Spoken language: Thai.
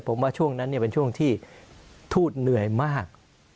ผมว่าช่วงนั้นเป็นช่วงที่ทูตเหนื่อยมาก